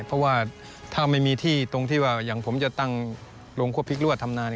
เพราะว่าถ้าไม่มีที่ตรงที่ว่าอย่างผมจะตั้งโรงครัวพริกหรือว่าทำนาน